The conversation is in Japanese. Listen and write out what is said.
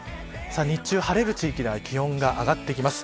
日中、晴れる地域では気温が上がってきます。